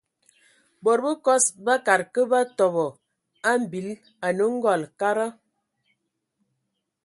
Bod bəkɔs bakad kə batɔbɔ a mimbil anə:ngɔl, kada.